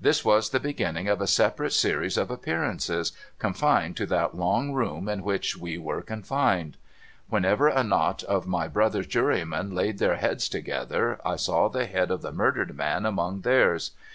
This was the beginning of a separate series of appearances, confined to that long room in v.hich we were confined. AVhenever a knot of my brother jurymen laid their heads together, I saw the head of the murdered man among theirs.